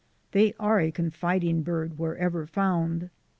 They are a confiding bird wherever found.